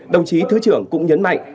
đồng chí thứ trưởng cũng nhấn mạnh